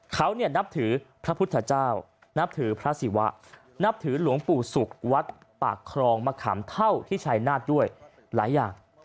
เขานับถือพระพุทธเจ้านับถือพระศิวะนับถือหลวงปู่ศุกร์วัดปากครองมะขามเท่าที่ชายนาฏด้วยหลายอย่าง